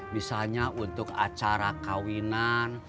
misalnya untuk acara kawinan